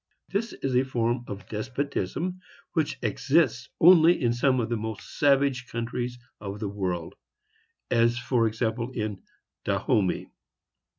This is a form of despotism which exists only in some of the most savage countries of the world; as, for example, in Dahomey.